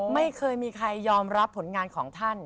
ไม่เคยมีใครยอมรับผลงานของท่าน